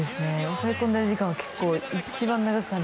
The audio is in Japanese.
抑え込んでる時間は結構一番長く感じました